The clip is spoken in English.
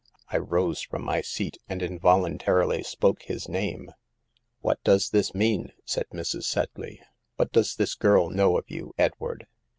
I rose from my seat, and involuntarily spoke his name. "<" What does this mean ?" said Mrs.. Sed * ley; "what does this girl know of you, Edward?"